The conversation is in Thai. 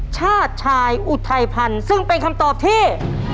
ชาติชายอุทัยพันธ์ซึ่งเป็นคำตอบที่